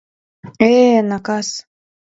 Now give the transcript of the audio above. — Э-э, накас!